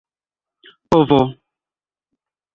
povo